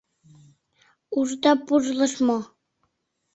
Ушда пужлыш мо?